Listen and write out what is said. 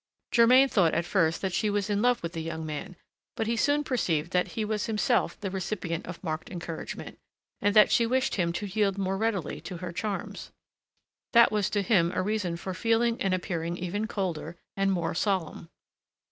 Germain thought at first that she was in love with the young man; but he soon perceived that he was himself the recipient of marked encouragement, and that she wished him to yield more readily to her charms. That was to him a reason for feeling and appearing even colder and more solemn.